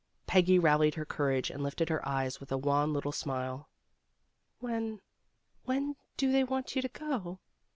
Peggy rallied her courage and lifted her eyes with a wan little smile. '* When when do they want you to go?"